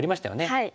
はい。